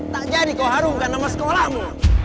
tak jadi kau harumkan nama sekolahmu